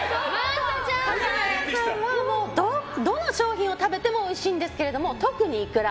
加島屋さんは、どの商品を食べてもおいしいんですけど特にいくら。